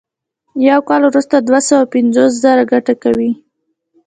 یو کال وروسته دوه سوه پنځوس زره ګټه کوي